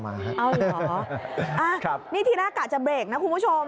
เอาเหรอนี่ทีแรกกะจะเบรกนะคุณผู้ชม